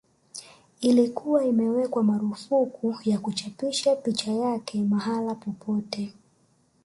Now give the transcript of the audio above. Ilikuwa imewekwa marufuku ya kuchapisha picha yake mahala popote